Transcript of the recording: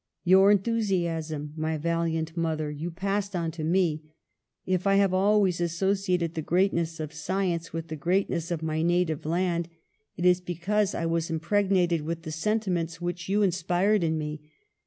Your enthusiasm, my valiant mother, you passed on to me. If I have always asso ciated the greatness of science with the great ness of my native land, it is because I was im 158 PASTEUR pregnated with the sentiments which you in spired in me.